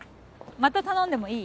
また頼んでもいい？